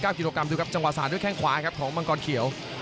กิโลกรัมดูครับจังหวะสาดด้วยแข้งขวาครับของมังกรเขียว